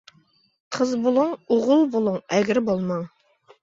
قىز بولۇڭ ئوغۇل بولۇڭ، ئەگرى بولماڭ.